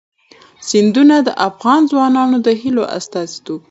سیندونه د افغان ځوانانو د هیلو استازیتوب کوي.